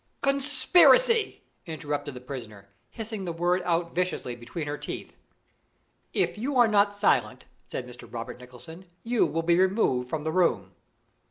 "Conspiracy!" interrupted the prisoner, hissing the word out viciously between her teeth. "If you are not silent," said Mr. Robert Nicholson, "you will be removed from the room.